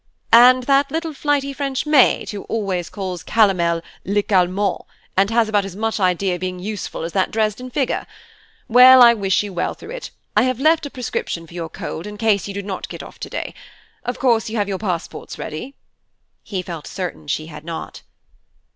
"And that little flighty French maid, who always calls calomel le calmant, and has about as much idea of being useful as that Dresden figure. Well, I wish you well through it; I have left a prescription for your cold in case you do not get off to day. Of course you have your passports ready?" He felt certain she had not.